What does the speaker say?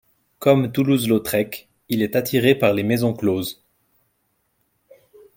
Comme Toulouse-Lautrec il est attiré par les Maisons Closes.